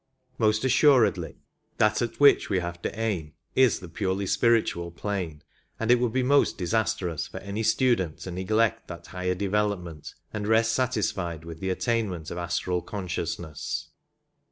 Most assuredly that at which we have to aim is the purely spiritual plane, and it would be most dis astrous for any student to neglect that higher development and rest satisfied with the attainment of astral consciousness.